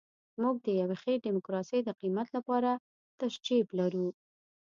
موږ د یوې ښې ډیموکراسۍ د قیمت لپاره تش جیب لرو.